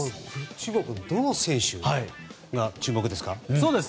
どの選手が注目ですか？